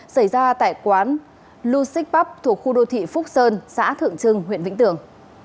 xảy ra tại quán luxick pub thuộc khu đô thị phúc sơn xã thượng trưng huyện vĩnh tường